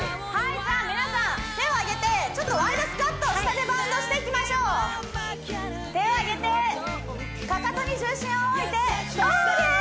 じゃあ皆さん手を上げてちょっとワイドスクワット下でバウンドしていきましょう手を上げてかかとに重心を置いてそうです